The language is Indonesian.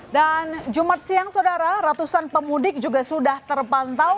jumat siang saudara ratusan pemudik juga sudah terpantau